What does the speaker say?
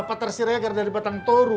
patar sirai agar dari batang toru